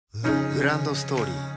グランドストーリー